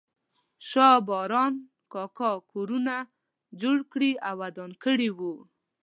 شا باران کاکا کورونه جوړ کړي او ودان کړي وو.